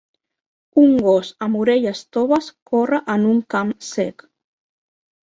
Un gos amb orelles toves corre en un camp sec